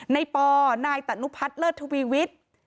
ปนายตะนุพัฒน์เลิศทวีวิทย์